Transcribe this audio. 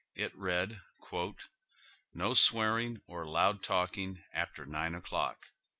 It read :" No swearing or loud talking after nine o'clock."